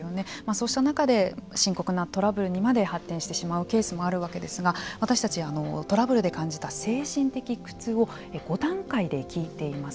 そうした中で深刻なトラブルにまで発展してしまうケースもあるわけですが私たちはトラブルで感じた精神的な苦痛を５段階で聞いています。